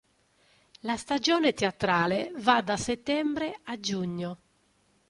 La stagione teatrale va da settembre a giugno.